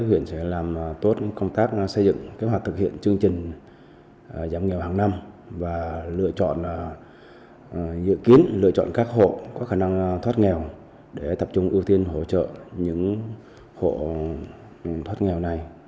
huyện sẽ làm tốt công tác xây dựng kế hoạch thực hiện chương trình giảm nghèo hàng năm và lựa chọn dự kiến lựa chọn các hộ có khả năng thoát nghèo để tập trung ưu tiên hỗ trợ những hộ thoát nghèo này